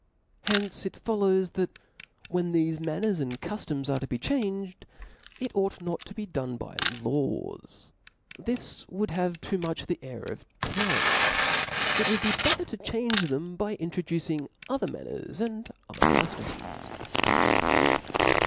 From hence it follows that when tbelb manners and cuftoms are to be changed, it ought not to be done by laws ; this would have too nrruch the air of tyranny : it wojjld be better to change them by introducing other manners and other cuftoms.